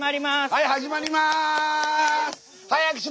はい始まります！